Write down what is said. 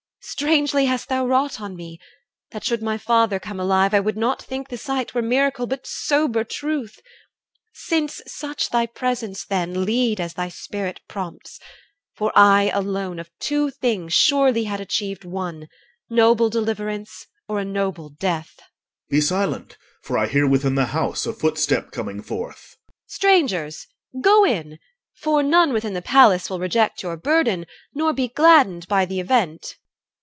Strangely hast thou wrought On me; that should my father come alive, I would not think the sight were miracle, But sober truth. Since such thy presence, then, Lead as thy spirit prompts. For I alone Of two things surely had achieved one, Noble deliverance or a noble death. OR. Be silent; for I hear within the house A footstep coming forth. EL. (loudly). Strangers, go in! For none within the palace will reject Your burden, nor be gladdened by the event.